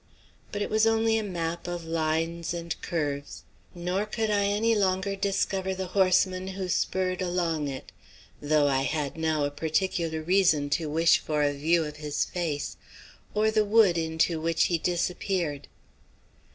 But it was only a map of lines and curves, nor could I any longer discover the horseman who spurred along it though I had now a particular reason to wish for a view of his face, or the wood into which he disappeared.